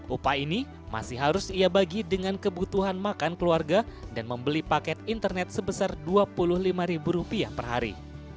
upah ini masih harus ia bagi dengan kebutuhan makan keluarga dan membeli paket internet sebesar dua puluh lima ribu rupiah per hari